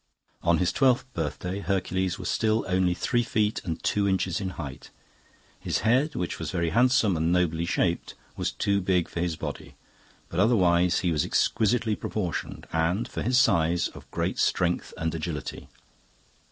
"On his twelfth birthday Hercules was still only three feet and two inches in height. His head, which was very handsome and nobly shaped, was too big for his body, but otherwise he was exquisitely proportioned, and, for his size, of great strength and agility.